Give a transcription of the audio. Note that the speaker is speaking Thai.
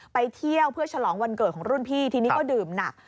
ไปเที่ยวเพื่อฉลองวันเกิดของรุ่นพี่ทีนี้ก็ดื่มหนัก